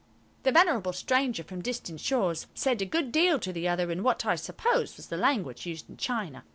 The venerable stranger from distance shores said a good deal to the other in what I suppose was the language used in China.